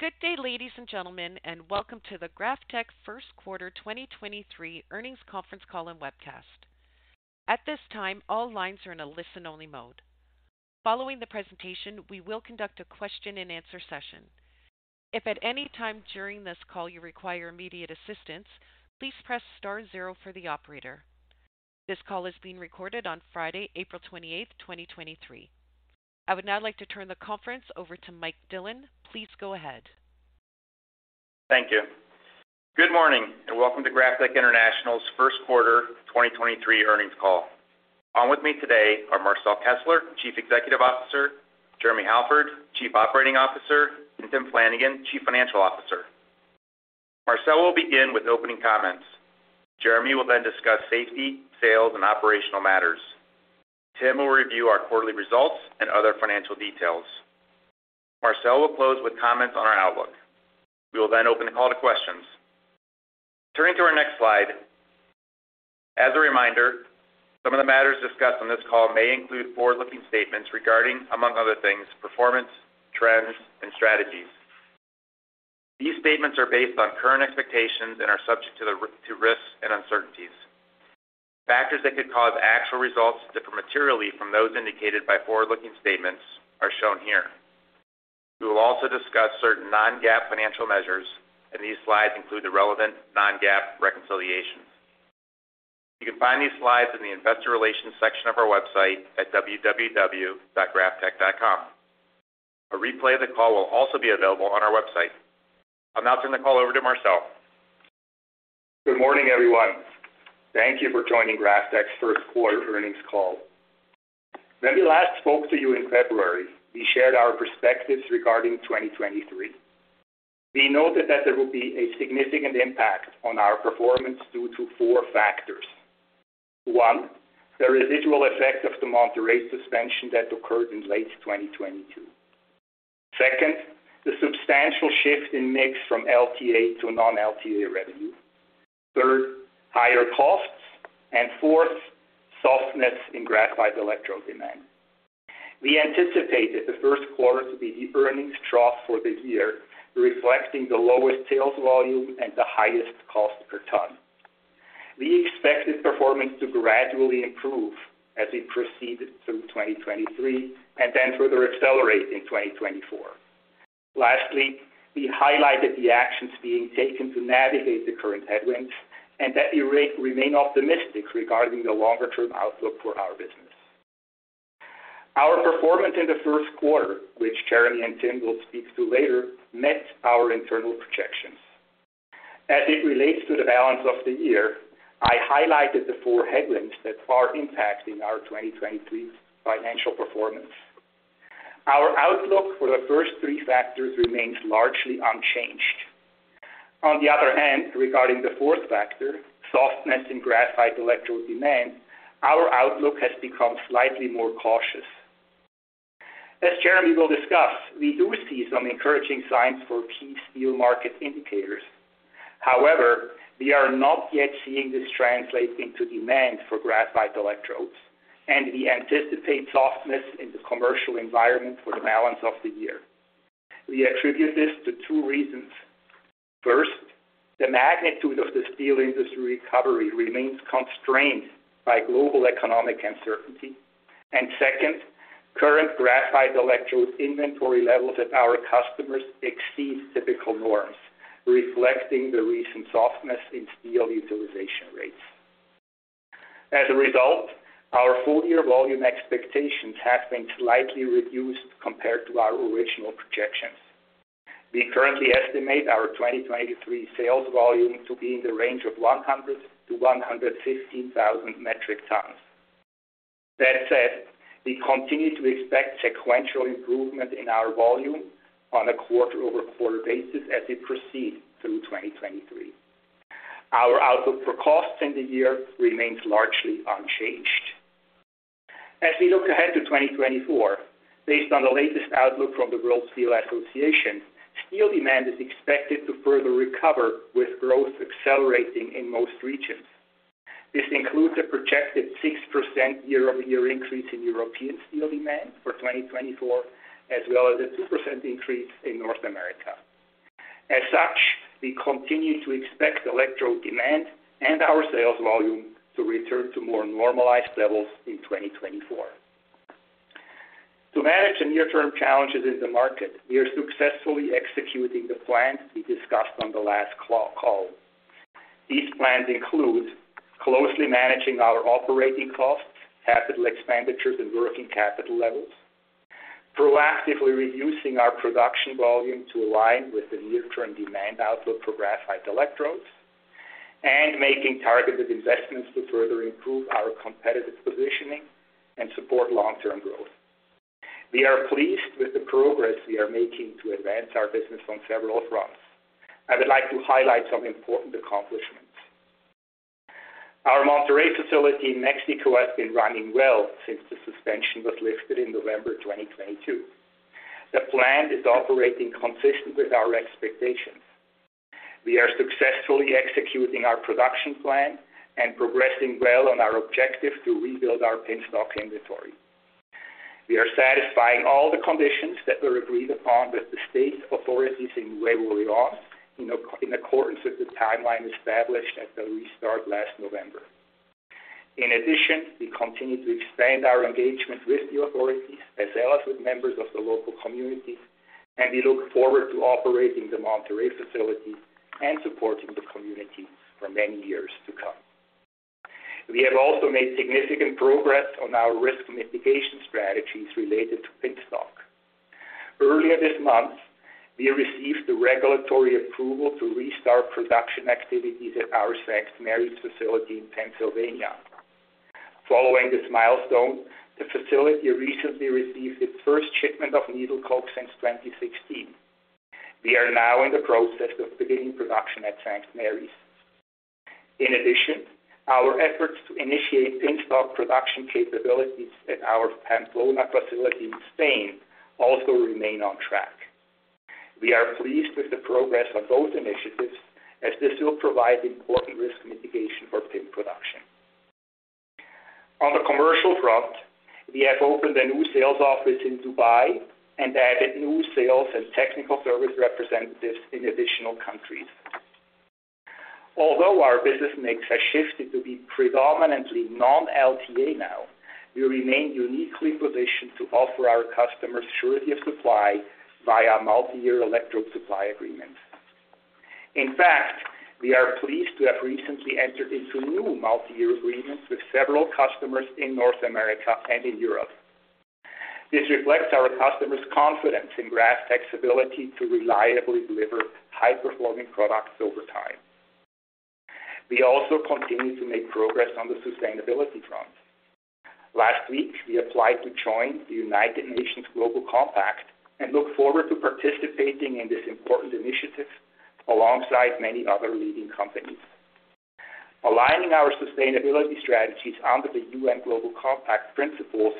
Good day, ladies and gentlemen, welcome to the GrafTech first quarter 2023 earnings conference call and webcast. At this time, all lines are in a listen-only mode. Following the presentation, we will conduct a question -and-answer session. If at any time during this call you require immediate assistance, please press star zero for the operator. This call is being recorded on Friday, April 28, 2023. I would now like to turn the conference over to Mike Dillon. Please go ahead. Thank you. Good morning, welcome to GrafTech International's first quarter 2023 earnings call. On with me today are Marcel Kessler, Chief Executive Officer, Jeremy Halford, Chief Operating Officer, and Tim Flanagan, Chief Financial Officer. Marcel will begin with opening comments. Jeremy will discuss safety, sales, and operational matters. Tim will review our quarterly results and other financial details. Marcel will close with comments on our outlook. We will open the call to questions. Turning to our next slide. As a reminder, some of the matters discussed on this call may include forward-looking statements regarding, among other things, performance, trends, and strategies. These statements are based on current expectations and are subject to risks and uncertainties. Factors that could cause actual results to differ materially from those indicated by forward-looking statements are shown here. We will also discuss certain non-GAAP financial measures. These slides include the relevant non-GAAP reconciliations. You can find these slides in the investor relations section of our website at www.graftech.com. A replay of the call will also be available on our website. I'll now turn the call over to Marcel. Good morning, everyone. Thank you for joining GrafTech's first quarter earnings call. When we last spoke to you in February, we shared our perspectives regarding 2023. We noted that there will be a significant impact on our performance due to four factors. One, the residual effect of the Monterrey suspension that occurred in late 2022. Second, the substantial shift in mix from LTA to non-LTA revenue. Third, higher costs. Fourth, softness in graphite electrode demand. We anticipated the first quarter to be the earnings trough for the year, reflecting the lowest sales volume and the highest cost per ton. We expected performance to gradually improve as we proceeded through 2023 and then further accelerate in 2024. Lastly, we highlighted the actions being taken to navigate the current headwinds and that we remain optimistic regarding the longer-term outlook for our business. Our performance in the first quarter, which Jeremy and Tim will speak to later, met our internal projections. As it relates to the balance of the year, I highlighted the 4 headwinds that are impacting our 2023 financial performance. Our outlook for the first three factors remains largely unchanged. On the other hand, regarding the fourth factor, softness in graphite electrode demand, our outlook has become slightly more cautious. As Jeremy will discuss, we do see some encouraging signs for key steel market indicators. However, we are not yet seeing this translate into demand for graphite electrodes, and we anticipate softness in the commercial environment for the balance of the year. We attribute this to two reasons. First, the magnitude of the steel industry recovery remains constrained by global economic uncertainty. Second, current graphite electrode inventory levels at our customers exceed typical norms, reflecting the recent softness in steel utilization rates. As a result, our full-year volume expectations have been slightly reduced compared to our original projections. We currently estimate our 2023 sales volume to be in the range of 100,000-115,000 metric tons. That said, we continue to expect sequential improvement in our volume on a quarter-over-quarter basis as we proceed through 2023. Our outlook for costs in the year remains largely unchanged. As we look ahead to 2024, based on the latest outlook from the World Steel Association, steel demand is expected to further recover, with growth accelerating in most regions. This includes a projected 6% year-over-year increase in European steel demand for 2024, as well as a 2% increase in North America. As such, we continue to expect electrode demand and our sales volume to return to more normalized levels in 2024. To manage the near-term challenges in the market, we are successfully executing the plans we discussed on the last call. These plans include closely managing our operating costs, capital expenditures, and working capital levels; proactively reducing our production volume to align with the near-term demand outlook for graphite electrodes; and making targeted investments to further improve our competitive positioning and support long-term growth. We are pleased with the progress we are making to advance our business on several fronts. I would like to highlight some important accomplishments. Our Monterrey facility in Mexico has been running well since the suspension was lifted in November 2022. The plant is operating consistent with our expectations. We are successfully executing our production plan and progressing well on our objective to rebuild our pin stock inventory. We are satisfying all the conditions that were agreed upon with the state authorities in Nuevo Leon in accordance with the timeline established at the restart last November. We continue to expand our engagement with the authorities, as well as with members of the local community, and we look forward to operating the Monterrey facility and supporting the community for many years to come. We have also made significant progress on our risk mitigation strategies related to pin stock. Earlier this month, we received the regulatory approval to restart production activities at our St. Marys facility in Pennsylvania. Following this milestone, the facility recently received its first shipment of needle coke since 2016. We are now in the process of beginning production at St. Marys. In addition, our efforts to initiate pin stock production capabilities at our Pamplona facility in Spain also remain on track. We are pleased with the progress on both initiatives, as this will provide important risk mitigation for pin production. On the commercial front, we have opened a new sales office in Dubai and added new sales and technical service representatives in additional countries. Although our business mix has shifted to be predominantly non-LTA now, we remain uniquely positioned to offer our customers surety of supply via multiyear electrode supply agreements. In fact, we are pleased to have recently entered into new multiyear agreements with several customers in North America and in Europe. This reflects our customers' confidence in GrafTech's ability to reliably deliver high-performing products over time. We also continue to make progress on the sustainability front. Last week, we applied to join the United Nations Global Compact and look forward to participating in this important initiative alongside many other leading companies. Aligning our sustainability strategies under the UN Global Compact principles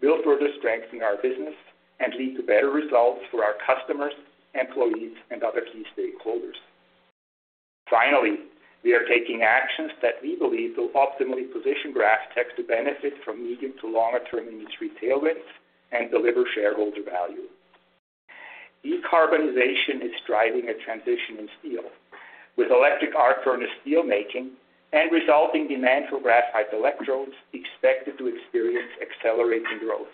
will further strengthen our business and lead to better results for our customers, employees, and other key stakeholders. Finally, we are taking actions that we believe will optimally position GrafTech to benefit from medium to longer-term industry tailwinds and deliver shareholder value. Decarbonization is driving a transition in steel, with electric arc furnace steelmaking and resulting demand for graphite electrodes expected to experience accelerating growth.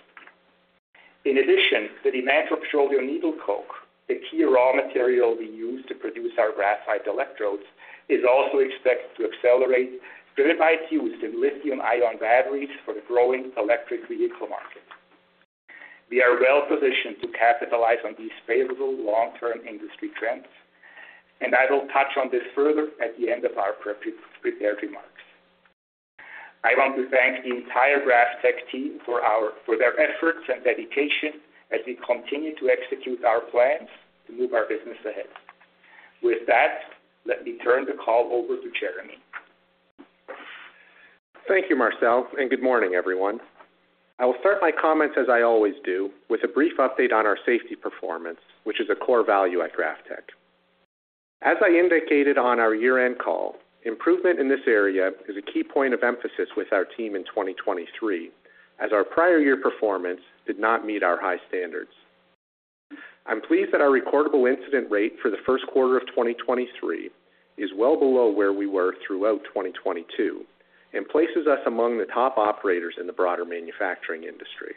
In addition, the demand for petroleum needle coke, a key raw material we use to produce our graphite electrodes, is also expected to accelerate due to its use in lithium-ion batteries for the growing electric vehicle market. We are well positioned to capitalize on these favorable long-term industry trends. I will touch on this further at the end of our prepared remarks. I want to thank the entire GrafTech team for their efforts and dedication as we continue to execute our plans to move our business ahead. With that, let me turn the call over to Jeremy. Thank you, Marcel. Good morning, everyone. I will start my comments as I always do, with a brief update on our safety performance, which is a core value at GrafTech. As I indicated on our year-end call, improvement in this area is a key point of emphasis with our team in 2023, as our prior year performance did not meet our high standards. I'm pleased that our recordable incident rate for the first quarter of 2023 is well below where we were throughout 2022 and places us among the top operators in the broader manufacturing industry.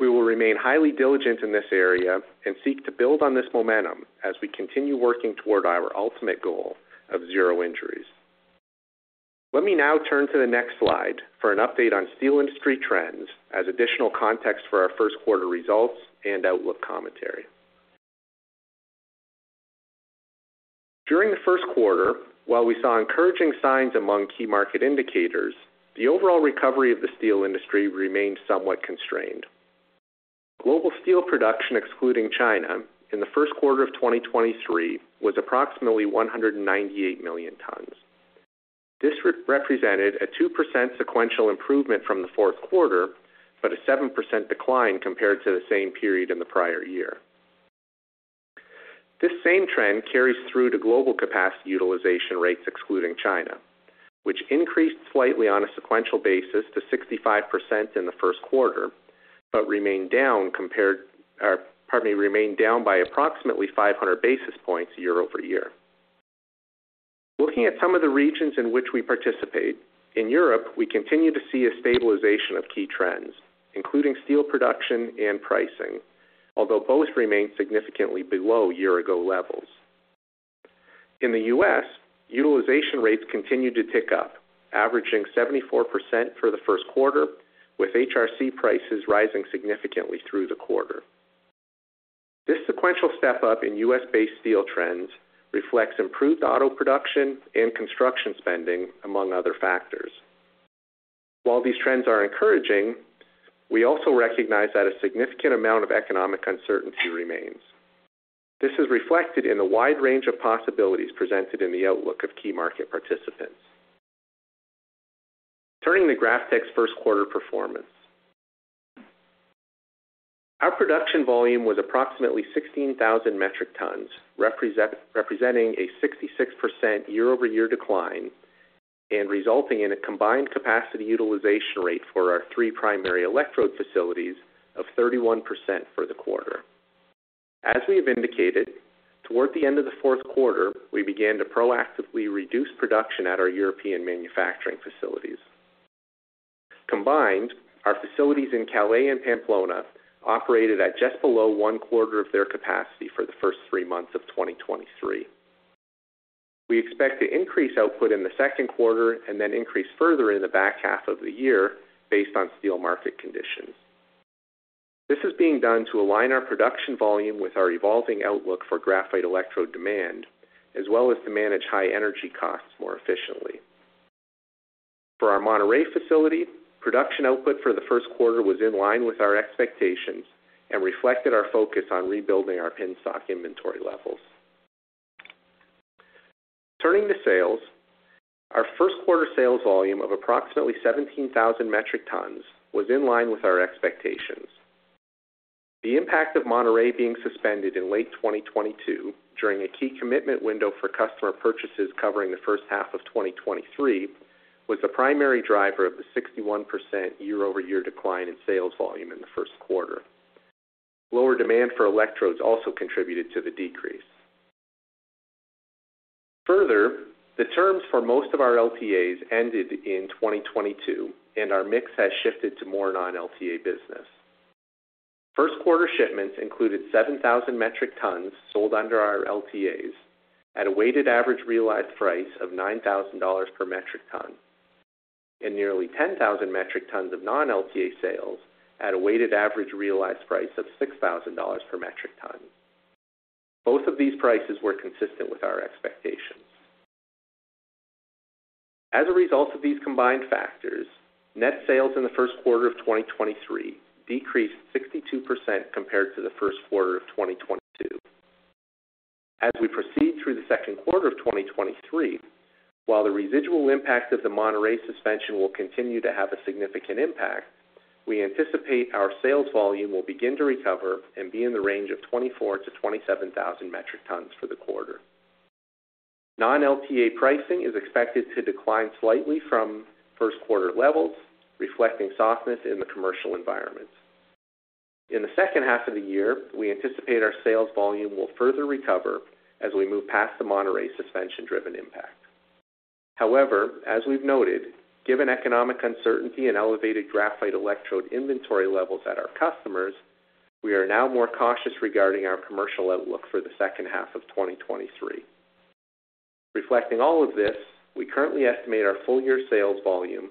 We will remain highly diligent in this area and seek to build on this momentum as we continue working toward our ultimate goal of zero injuries. Let me now turn to the next slide for an update on steel industry trends as additional context for our first quarter results and outlook commentary. During the first quarter, while we saw encouraging signs among key market indicators, the overall recovery of the steel industry remained somewhat constrained. Global steel production, excluding China, in the first quarter of 2023 was approximately 198 million tons. This re-represented a 2% sequential improvement from the fourth quarter, but a 7% decline compared to the same period in the prior year. This same trend carries through to global capacity utilization rates excluding China, which increased slightly on a sequential basis to 65% in the first quarter, but remained down by approximately 500 basis points year-over-year. Looking at some of the regions in which we participate, in Europe, we continue to see a stabilization of key trends, including steel production and pricing, although both remain significantly below year ago levels. In the U.S., utilization rates continued to tick up, averaging 74% for the first quarter, with HRC prices rising significantly through the quarter. This sequential step-up in U.S.-based steel trends reflects improved auto production and construction spending, among other factors. While these trends are encouraging, we also recognize that a significant amount of economic uncertainty remains. This is reflected in the wide range of possibilities presented in the outlook of key market participants. Turning to GrafTech's first quarter performance. Our production volume was approximately 16,000 metric tons, representing a 66% year-over-year decline and resulting in a combined capacity utilization rate for our three primary electrode facilities of 31% for the quarter. As we have indicated, toward the end of the fourth quarter, we began to proactively reduce production at our European manufacturing facilities. Combined, our facilities in Calais and Pamplona operated at just below one quarter of their capacity for the first 3 months of 2023. We expect to increase output in the 2nd quarter and then increase further in the back half of the year based on steel market conditions. This is being done to align our production volume with our evolving outlook for graphite electrode demand, as well as to manage high energy costs more efficiently. For our Monterrey facility, production output for the 1st quarter was in line with our expectations and reflected our focus on rebuilding our pin-stock inventory levels. Turning to sales. Our 1st quarter sales volume of approximately 17,000 metric tons was in line with our expectations. The impact of Monterrey being suspended in late 2022 during a key commitment window for customer purchases covering the first half of 2023 was the primary driver of the 61% year-over-year decline in sales volume in the first quarter. Lower demand for electrodes also contributed to the decrease. The terms for most of our LTAs ended in 2022, and our mix has shifted to more non-LTA business. First quarter shipments included 7,000 metric tons sold under our LTAs at a weighted average realized price of $9,000 per metric ton, and nearly 10,000 metric tons of non-LTA sales at a weighted average realized price of $6,000 per metric ton. Both of these prices were consistent with our expectations. As a result of these combined factors, net sales in the first quarter of 2023 decreased 62% compared to the first quarter of 2022. As we proceed through the second quarter of 2023, while the residual impact of the Monterrey suspension will continue to have a significant impact, we anticipate our sales volume will begin to recover and be in the range of 24,000-27,000 metric tons for the quarter. non-LTA pricing is expected to decline slightly from first quarter levels, reflecting softness in the commercial environment. In the second half of the year, we anticipate our sales volume will further recover as we move past the Monterrey suspension driven impact. However, as we've noted, given economic uncertainty and elevated graphite electrode inventory levels at our customers, we are now more cautious regarding our commercial outlook for the second half of 2023. Reflecting all of this, we currently estimate our full year sales volume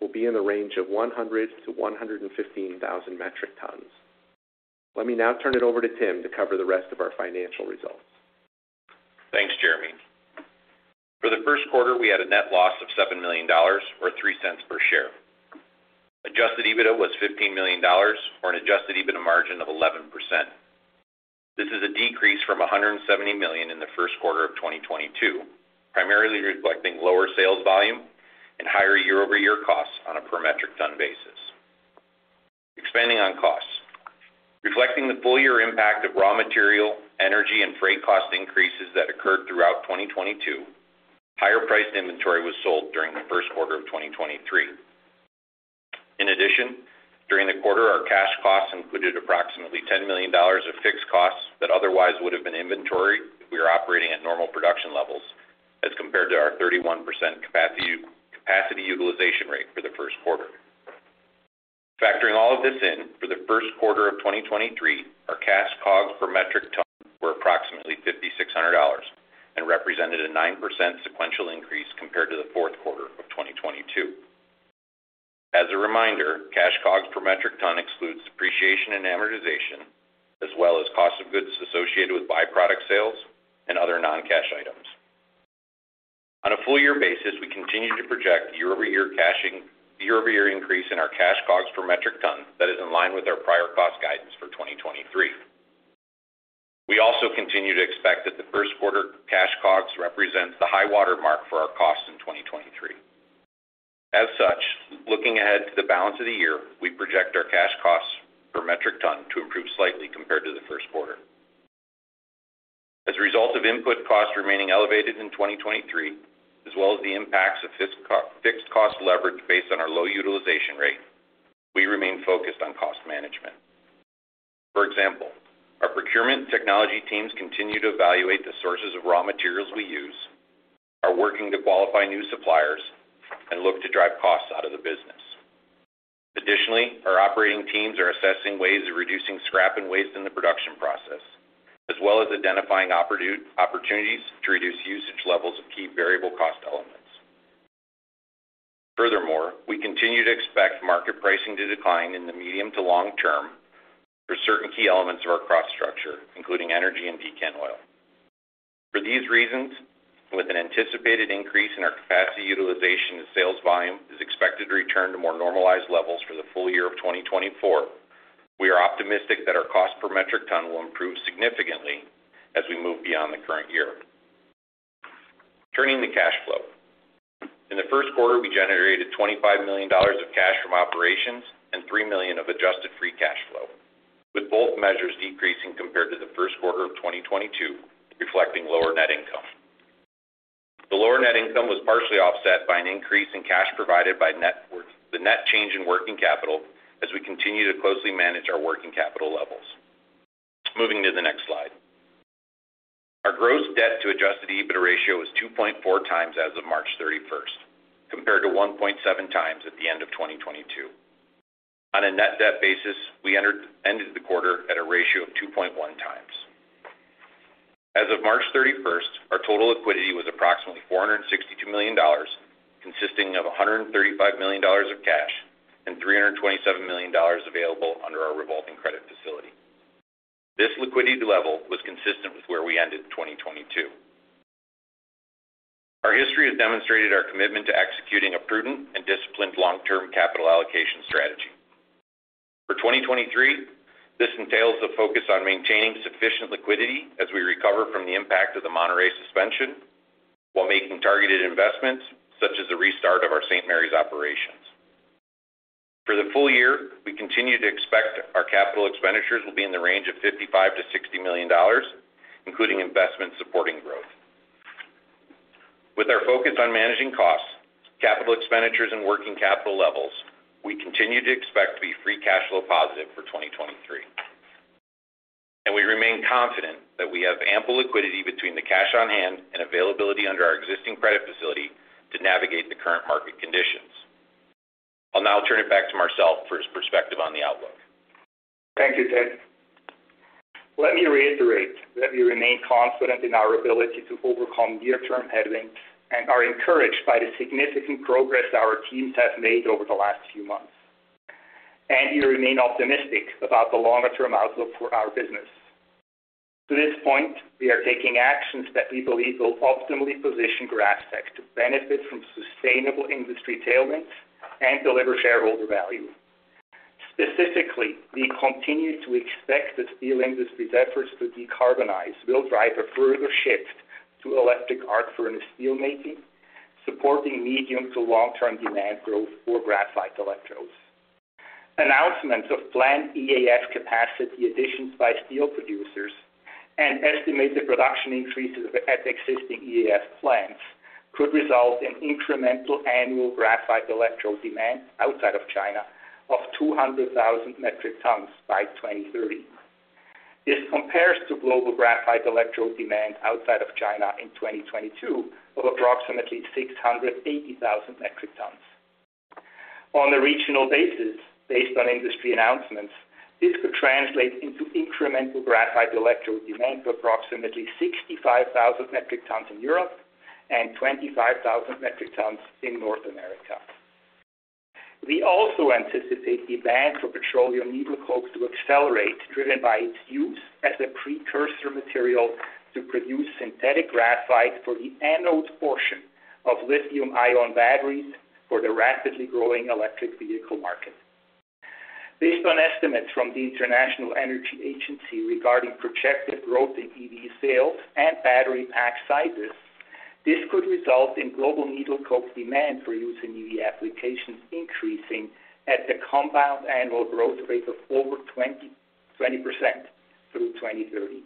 will be in the range of 100,000-115,000 metric tons. Let me now turn it over to Tim to cover the rest of our financial results. Thanks, Jeremy. For the first quarter, we had a net loss of $7 million or $0.03 per share. Adjusted EBITDA was $15 million or an Adjusted EBITDA margin of 11%. This is a decrease from $170 million in the first quarter of 2022, primarily reflecting lower sales volume and higher year-over-year costs on a per metric ton basis. Expanding on costs. Reflecting the full year impact of raw material, energy, and freight cost increases that occurred throughout 2022, higher priced inventory was sold during the first quarter of 2023. In addition, during the quarter, our cash costs included approximately $10 million of fixed costs that otherwise would have been inventory if we were operating at normal production levels as compared to our 31% capacity utilization rate for the first quarter. Factoring all of this in, for the first quarter of 2023, our cash COGS per metric ton were approximately $5,600 and represented a 9% sequential increase compared to the fourth quarter of 2022. As a reminder, cash COGS per metric ton excludes depreciation and amortization, as well as cost of goods associated with byproduct sales and other non-cash items. On a full year basis, we continue to project year-over-year increase in our cash COGS per metric ton that is in line with our prior cost guidance for 2023. We also continue to expect that the first quarter cash COGS represents the high water mark for our costs in 2023. As such, looking ahead to the balance of the year, we project our cash costs per metric ton to improve slightly compared to the first quarter. As a result of input costs remaining elevated in 2023, as well as the impacts of fixed cost leverage based on our low utilization rate, we remain focused on cost management. For example, our procurement technology teams continue to evaluate the sources of raw materials we use, are working to qualify new suppliers, and look to drive costs out of the business. Additionally, our operating teams are assessing ways of reducing scrap and waste in the production process, as well as identifying opportunities to reduce usage levels of key variable cost elements. Furthermore, we continue to expect market pricing to decline in the medium to long term for certain key elements of our cost structure, including energy and decant oil. For these reasons, with an anticipated increase in our capacity utilization and sales volume is expected to return to more normalized levels for the full year of 2024, we are optimistic that our cost per metric ton will improve significantly as we move beyond the current year. Turning to cash flow. In the first quarter, we generated $25 million of cash from operations and $3 million of adjusted free cash flow, with both measures decreasing compared to the first quarter of 2022, reflecting lower net income. The lower net income was partially offset by an increase in cash provided by the net change in working capital as we continue to closely manage our working capital levels. Moving to the next slide. Our gross debt to Adjusted EBITDA ratio is 2.4x as of March 31, compared to 1.7x at the end of 2022. On a net debt basis, we ended the quarter at a ratio of 2.1x. As of March 31, our total liquidity was approximately $462 million, consisting of $135 million of cash and $327 million available under our revolving credit facility. This liquidity level was consistent with where we ended in 2022. Our history has demonstrated our commitment to executing a prudent and disciplined long-term capital allocation strategy. For 2023, this entails a focus on maintaining sufficient liquidity as we recover from the impact of the Monterrey suspension while making targeted investments such as the restart of our St. Marys operations. For the full year, we continue to expect our capital expenditures will be in the range of $55 million-60 million, including investment supporting growth. With our focus on managing costs, capital expenditures, and working capital levels, we continue to expect to be free cash flow positive for 2023. We remain confident that we have ample liquidity between the cash on hand and availability under our existing credit facility to navigate the current market conditions. I'll now turn it back to Marcel for his perspective on the outlook. Thank you, Tim. Let me reiterate that we remain confident in our ability to overcome near-term headwinds and are encouraged by the significant progress our teams have made over the last few months. We remain optimistic about the longer-term outlook for our business. To this point, we are taking actions that we believe will optimally position GrafTech to benefit from sustainable industry tailwinds and deliver shareholder value. Specifically, we continue to expect the steel industry's efforts to decarbonize will drive a further shift to electric arc furnace steelmaking, supporting medium to long-term demand growth for graphite electrodes. Announcements of planned EAF capacity additions by steel producers and estimated production increases at existing EAF plants could result in incremental annual graphite electrode demand outside of China of 200,000 metric tons by 2030. This compares to global graphite electrode demand outside of China in 2022 of approximately 680,000 metric tons. On a regional basis, based on industry announcements, this could translate into incremental graphite electrode demand of approximately 65,000 metric tons in Europe and 25,000 metric tons in North America. We also anticipate demand for petroleum needle coke to accelerate, driven by its use as a precursor material to produce synthetic graphite for the anode portion of lithium-ion batteries for the rapidly growing electric vehicle market. Based on estimates from the International Energy Agency regarding projected growth in EV sales and battery pack sizes, this could result in global needle coke demand for use in EV applications increasing at a compound annual growth rate of over 20% through 2030.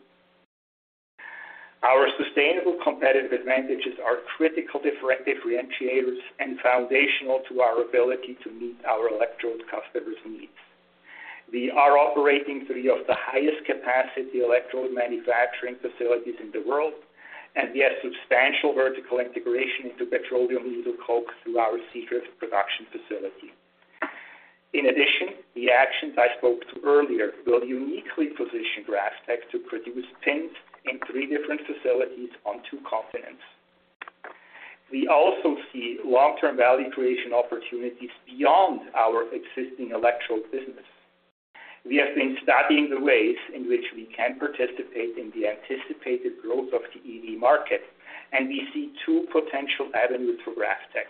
Our sustainable competitive advantages are critical differentiators and foundational to our ability to meet our electrode customers' needs. We are operating three of the highest capacity electrode manufacturing facilities in the world. We have substantial vertical integration into petroleum needle coke through our Seadrift production facility. In addition, the actions I spoke to earlier will uniquely position GrafTech to produce PINs in three different facilities on two continents. We also see long-term value creation opportunities beyond our existing electrode business. We have been studying the ways in which we can participate in the anticipated growth of the EV market. We see two potential avenues for GrafTech.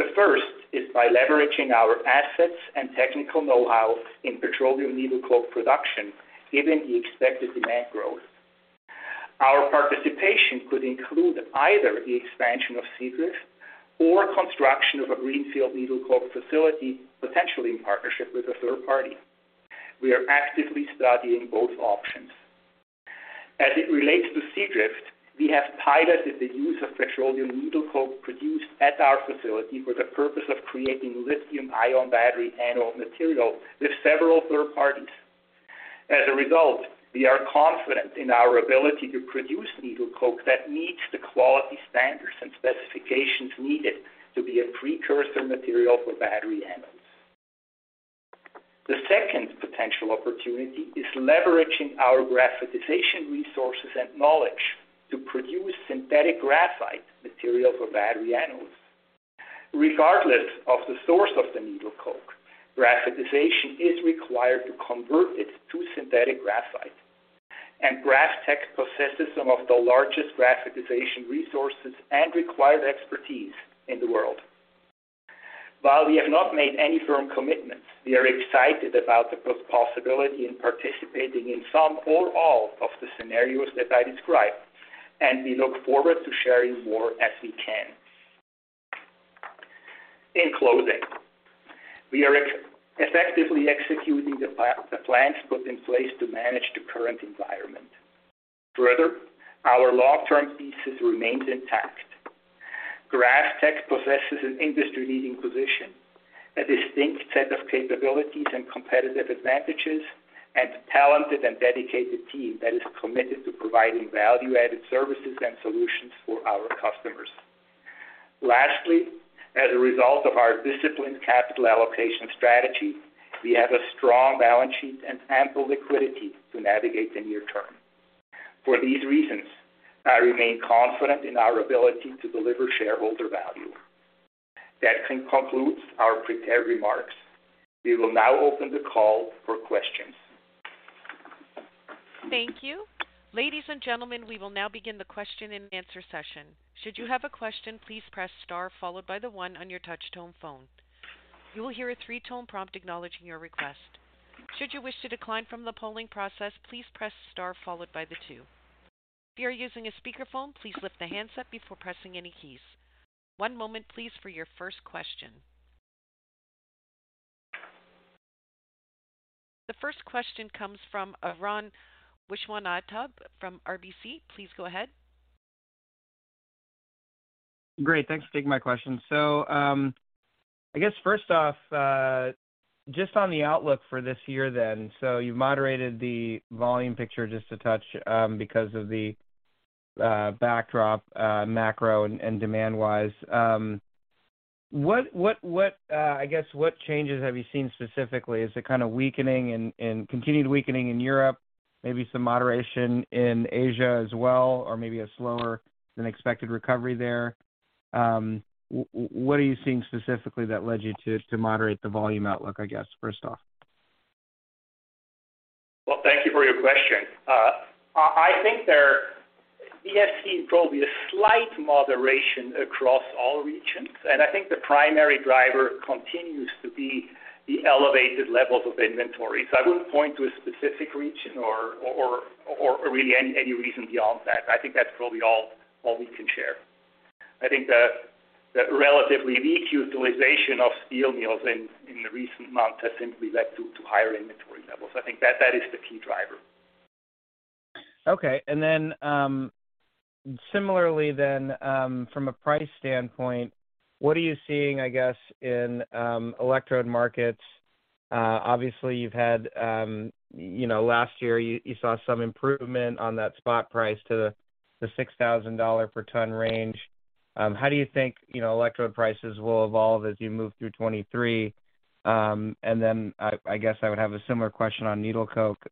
The first is by leveraging our assets and technical know-how in petroleum needle coke production, given the expected demand growth. Our participation could include either the expansion of Seadrift or construction of a greenfield needle coke facility, potentially in partnership with a third party. We are actively studying both options. As it relates to Seadrift, we have piloted the use of petroleum needle coke produced at our facility for the purpose of creating lithium-ion battery anode material with several third parties. As a result, we are confident in our ability to produce needle coke that meets the quality standards and specifications needed to be a precursor material for battery anodes. The second potential opportunity is leveraging our graphitization resources and knowledge to produce synthetic graphite material for battery anodes. Regardless of the source of the needle coke, graphitization is required to convert it to synthetic graphite, and GrafTech possesses some of the largest graphitization resources and required expertise in the world. While we have not made any firm commitments, we are excited about the possibility in participating in some or all of the scenarios that I described, and we look forward to sharing more as we can. In closing, we are effectively executing the plans put in place to manage the current environment. Further, our long-term thesis remains intact. GrafTech possesses an industry-leading position, a distinct set of capabilities and competitive advantages, and talented and dedicated team that is committed to providing value-added services and solutions for our customers. Lastly, as a result of our disciplined capital allocation strategy, we have a strong balance sheet and ample liquidity to navigate the near term. For these reasons, I remain confident in our ability to deliver shareholder value. That concludes our prepared remarks. We will now open the call for questions. Thank you. Ladies and gentlemen, we will now begin the question-and-answer session. Should you have a question, please press star followed by the one on your touch-tone phone. You will hear a three-tone prompt acknowledging your request. Should you wish to decline from the polling process, please press star followed by the two. If you are using a speakerphone, please lift the handset before pressing any keys. One moment please for your first question. The first question comes from Arun Viswanathan from RBC. Please go ahead. Great. Thanks for taking my question. I guess first off, just on the outlook for this year then. You moderated the volume picture just a touch because of the backdrop, macro and demand-wise. What changes have you seen specifically? Is it kind of weakening and continued weakening in Europe, maybe some moderation in Asia as well, or maybe a slower than expected recovery there? What are you seeing specifically that led you to moderate the volume outlook, I guess, first off? Well, thank you for your question. I think there is seen probably a slight moderation across all regions, and I think the primary driver continues to be the elevated levels of inventory. I wouldn't point to a specific region or really any reason beyond that. I think that's probably all we can share. I think the relatively weak utilization of steel mills in the recent months has simply led to higher inventory levels. I think that is the key driver. Okay. Similarly then, from a price standpoint, what are you seeing, I guess, in electrode markets? Obviously you've had, you know, last year you saw some improvement on that spot price to the $6,000 per ton range. How do you think, you know, electrode prices will evolve as you move through 2023? I guess I would have a similar question on needle coke.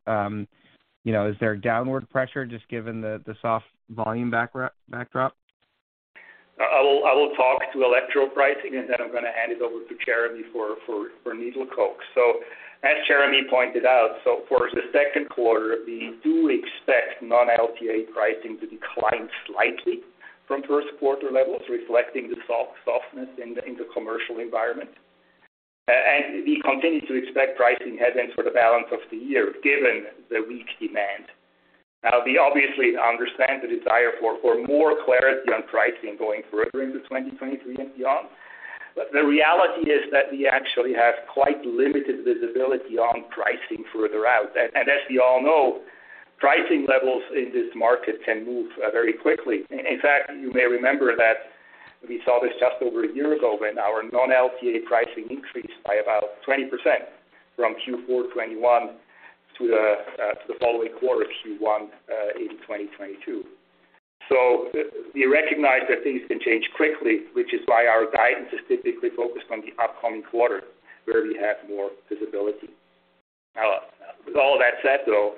You know, is there downward pressure just given the soft volume backdrop? I will talk to electrode pricing, and then I'm going to hand it over to Jeremy for needle coke. As Jeremy pointed out, for the second quarter, we do expect non-LTA pricing to decline slightly from first quarter levels, reflecting the softness in the commercial environment. We continue to expect pricing headwinds for the balance of the year given the weak demand. We obviously understand the desire for more clarity on pricing going further into 2023 and beyond. The reality is that we actually have quite limited visibility on pricing further out. As we all know, pricing levels in this market can move very quickly. In fact, you may remember that we saw this just over a year ago when our non-LTA pricing increased by about 20% from Q4 2021 to the following quarter, Q1 in 2022. We recognize that things can change quickly, which is why our guidance is typically focused on the upcoming quarter where we have more visibility. With all that said, though,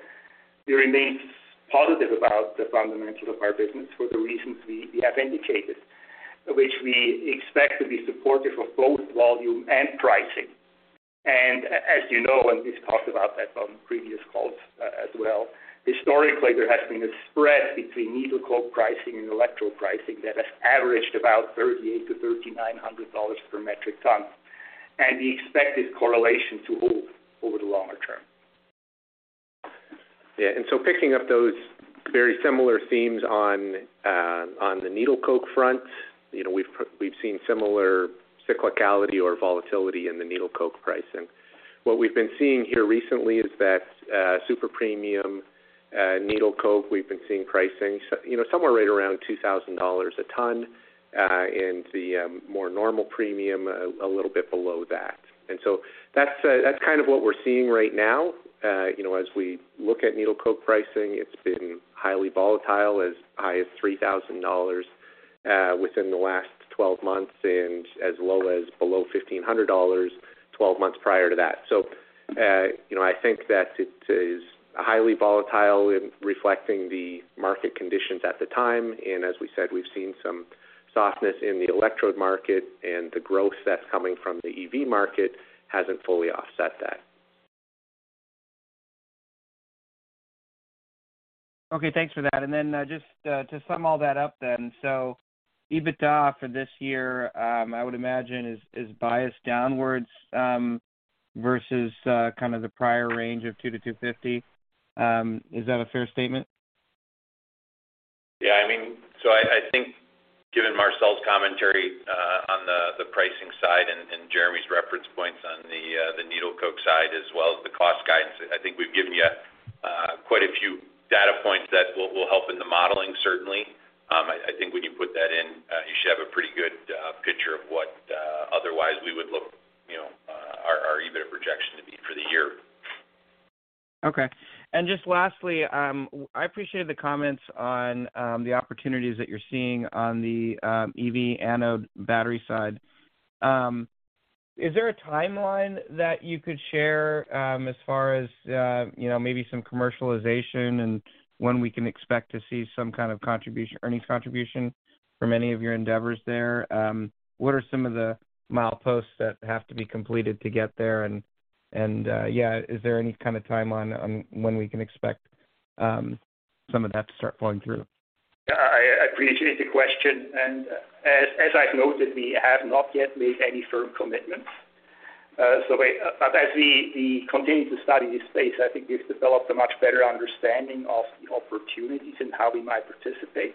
we remain positive about the fundamentals of our business for the reasons we have indicated, which we expect to be supportive of both volume and pricing. As you know, and we've talked about that on previous calls as well, historically, there has been a spread between needle coke pricing and electrode pricing that has averaged about $3,800-3,900 per metric ton, and we expect this correlation to hold over the longer term. Yeah. Picking up those very similar themes on the needle coke front, you know, we've seen similar cyclicality or volatility in the needle coke pricing. What we've been seeing here recently is that super premium needle coke, we've been seeing pricing, you know, somewhere right around $2,000 a ton, and the more normal premium, a little bit below that. That's kind of what we're seeing right now. You know, as we look at needle coke pricing, it's been highly volatile, as high as $3,000 within the last 12 months, and as low as below $1,500 12 months prior to that. You know, I think that it is highly volatile in reflecting the market conditions at the time. As we said, we've seen some softness in the electrode market, and the growth that's coming from the EV market hasn't fully offset that. Okay, thanks for that. Just, to sum all that up then. EBITDA for this year, I would imagine is biased downwards, versus, kind of the prior range of $200 million-250 million. Is that a fair statement? Yeah, I mean. I think given Marcel's commentary on the pricing side and Jeremy's reference points on the needle coke side as well as the cost guidance, I think we've given you quite a few data points that will help in the modeling, certainly. I think when you put that in, you should have a pretty good picture of what otherwise we would look, you know, our EBIT projection to be for the year. Okay. Just lastly, I appreciated the comments on the opportunities that you're seeing on the EV anode battery side. Is there a timeline that you could share as far as, you know, maybe some commercialization and when we can expect to see some kind of earnings contribution from any of your endeavors there? What are some of the mileposts that have to be completed to get there? Yeah, is there any kind of timeline on when we can expect some of that to start flowing through? I appreciate the question. As I've noted, we have not yet made any firm commitments. As we continue to study this space, I think we've developed a much better understanding of the opportunities and how we might participate.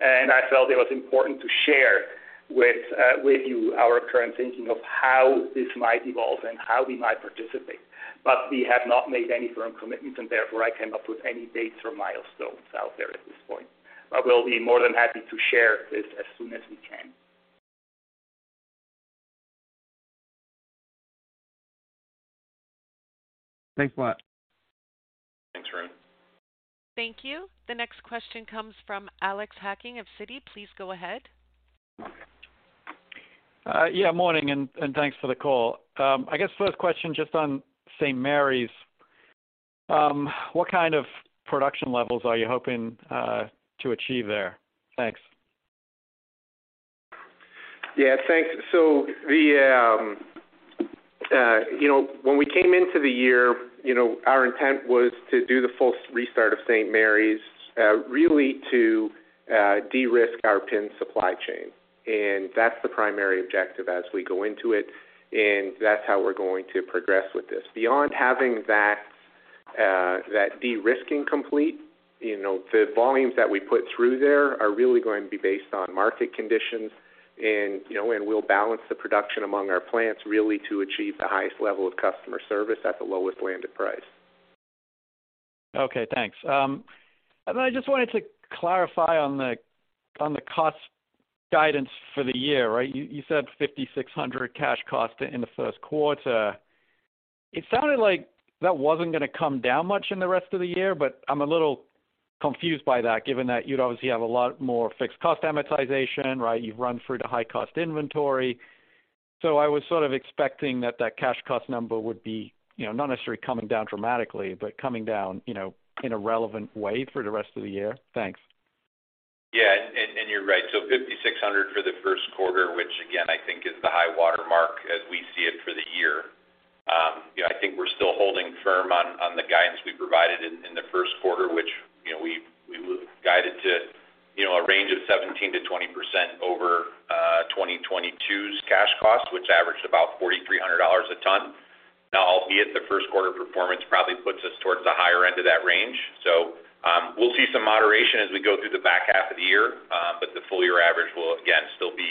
I felt it was important to share with you our current thinking of how this might evolve and how we might participate. We have not made any firm commitments, and therefore I came up with any dates or milestones out there at this point. We'll be more than happy to share this as soon as we can. Thanks a lot. Thanks, Arun. Thank you. The next question comes from Alex Hacking of Citi. Please go ahead. Yeah, morning, and thanks for the call. I guess first question just on St. Marys. What kind of production levels are you hoping to achieve there? Thanks. Yeah, thanks. The, you know, when we came into the year, you know, our intent was to do the full restart of St. Marys, really to de-risk our PIN supply chain. That's the primary objective as we go into it, and that's how we're going to progress with this. Beyond having that de-risking complete, you know, the volumes that we put through there are really going to be based on market conditions and, you know, we'll balance the production among our plants really to achieve the highest level of customer service at the lowest landed price. Okay, thanks. I just wanted to clarify on the cost guidance for the year, right? You said $5,600 cash cost in the first quarter. It sounded like that wasn't gonna come down much in the rest of the year, but I'm a little confused by that, given that you'd obviously have a lot more fixed cost amortization, right? You've run through the high cost inventory. I was sort of expecting that that cash cost number would be, you know, not necessarily coming down dramatically, but coming down, you know, in a relevant way for the rest of the year. Thanks. You're right. 5,600 for the first quarter, which again, I think is the high watermark as we see it for the year. You know, I think we're still holding firm on the guidance we provided in the first quarter, which, you know, we guided to, you know, a range of 17-20% over 2022's cash cost, which averaged about $4,300 a ton. Albeit the first quarter performance probably puts us towards the higher end of that range. We'll see some moderation as we go through the back half of the year. The full year average will again, still be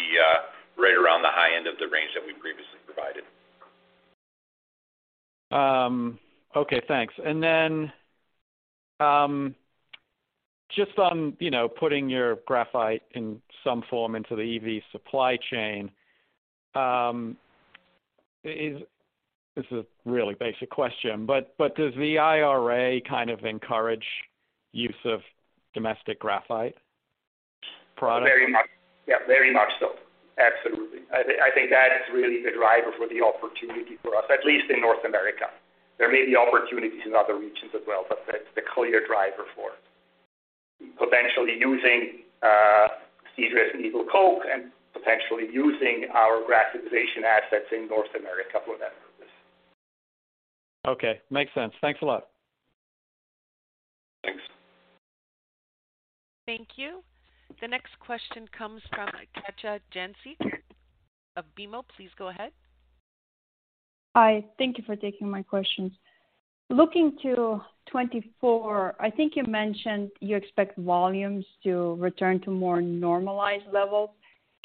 right around the high end of the range that we previously provided. okay, thanks. Just on, you know, putting your graphite in some form into the EV supply chain, this is a really basic question, but does the IRA kind of encourage use of domestic graphite products? Very much. Yeah, very much so. Absolutely. I think that is really the driver for the opportunity for us, at least in North America. There may be opportunities in other regions as well, but that's the clear driver for it. Potentially using Seadrift needle coke and potentially using our graphitization assets in North America for that purpose. Okay. Makes sense. Thanks a lot. Thanks. Thank you. The next question comes from Katja Jancic of BMO. Please go ahead. Hi. Thank you for taking my questions. Looking to 2024, I think you mentioned you expect volumes to return to more normalized levels.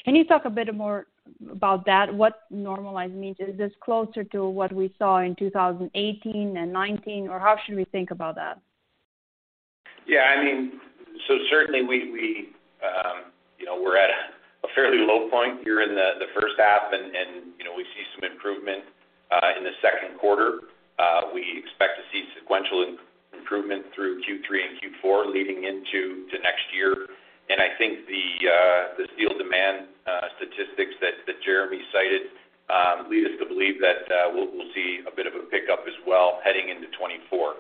Can you talk a bit more about that? What normalized means? Is this closer to what we saw in 2018 and 2019, or how should we think about that? Yeah, I mean, so certainly we, you know, we're at a fairly low point here in the first half and, you know, we see some improvement in the second quarter. We expect to see sequential improvement through Q3 and Q4 leading into next year. I think the steel demand statistics that Jeremy cited, lead us to believe that we'll see a bit of a pickup as well heading into 2024.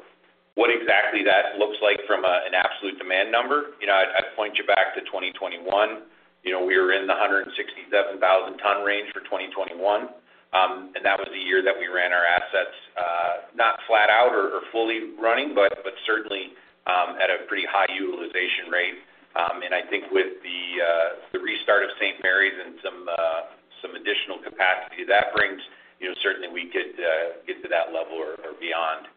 What exactly that looks like from an absolute demand number? You know, I'd point you back to 2021. You know, we were in the 167,000 ton range for 2021. And that was the year that we ran our assets, not flat out or fully running, but certainly, at a pretty high utilization rate. I think with the restart of St. Marys and some additional capacity that brings, you know, certainly we could get to that level or beyond.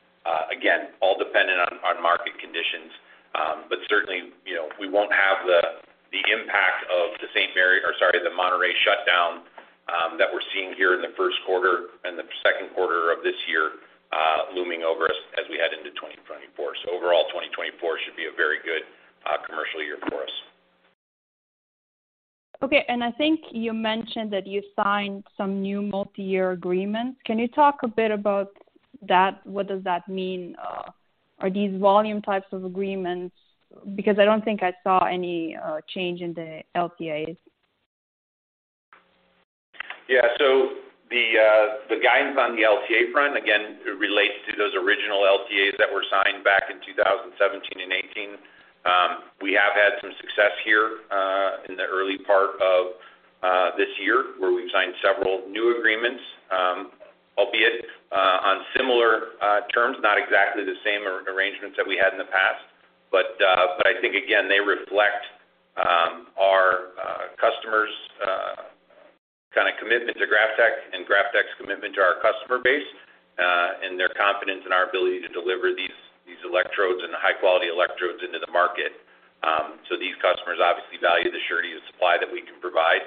Again, all dependent on market conditions. Certainly, you know, we won't have the impact of the Monterrey shutdown that we're seeing here in the first quarter and the second quarter of this year, looming over us as we head into 2024. Overall, 2024 should be a very good commercial year for us. Okay. I think you mentioned that you signed some new multi-year agreements. Can you talk a bit about that? What does that mean? Are these volume types of agreements? Because I don't think I saw any change in the LTAs. Yeah. The guidance on the LTA front, again, relates to those original LTAs that were signed back in 2017 and 2018. We have had some success here, in the early part of this year where we've signed several new agreements, albeit, on similar terms, not exactly the same arrangements that we had in the past. I think again, they reflect our customers' kind of commitment to GrafTech and GrafTech's commitment to our customer base, and their confidence in our ability to deliver these electrodes and high quality electrodes into the market. These customers obviously value the surety of supply that we can provide.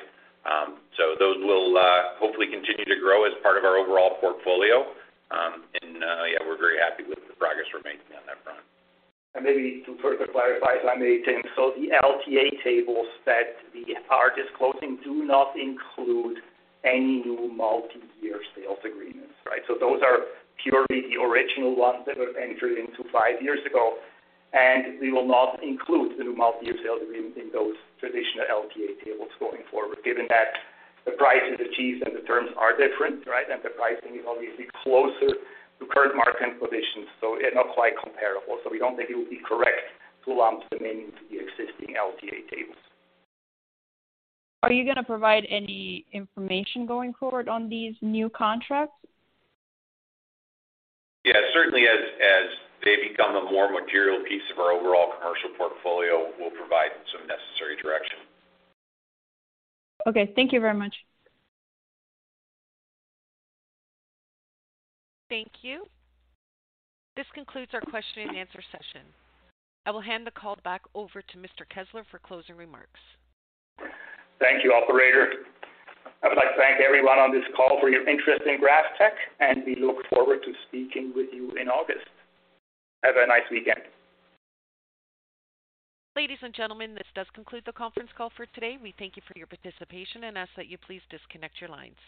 Those will, hopefully continue to grow as part of our overall portfolio. Yeah, we're very happy with the progress we're making on that front. Maybe to further clarify, if I may, Tim. The LTA tables that we are disclosing do not include any new multi-year sales agreements, right? Those are purely the original ones that were entered into 5 years ago, and we will not include the new multi-year sales agreement in those traditional LTA tables going forward, given that the price is achieved and the terms are different, right? The pricing is obviously closer to current market conditions, not quite comparable. We don't think it would be correct to lump them into the existing LTA tables. Are you gonna provide any information going forward on these new contracts? Yeah. Certainly as they become a more material piece of our overall commercial portfolio, we'll provide some necessary direction. Okay. Thank you very much. Thank you. This concludes our question and answer session. I will hand the call back over to Mr. Kessler for closing remarks. Thank you, operator. I would like to thank everyone on this call for your interest in GrafTech, and we look forward to speaking with you in August. Have a nice weekend. Ladies and gentlemen, this does conclude the conference call for today. We thank you for your participation and ask that you please disconnect your lines.